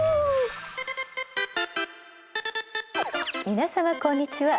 皆様こんにちは。